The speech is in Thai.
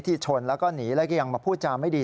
ชนแล้วก็หนีแล้วก็ยังมาพูดจาไม่ดี